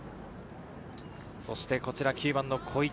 そして、こちら９番の小池。